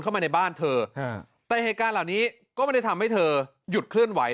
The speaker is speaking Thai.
เข้ามาในบ้านเธอแต่เหตุการณ์เหล่านี้ก็ไม่ได้ทำให้เธอหยุดเคลื่อนไหว